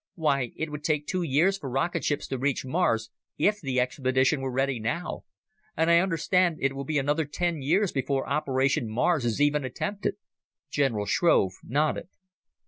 Why it would take two years for rocketships to reach Mars, if the expedition were ready now ... and I understand that it will be another ten years before Operation Mars is even attempted." General Shrove nodded.